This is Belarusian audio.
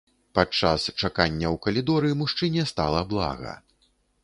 Падчас чакання ў калідоры мужчыне стала блага.